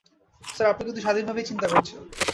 Sir, আপনি কিন্তু স্বাধীনভাবেই চিন্তা করছেন।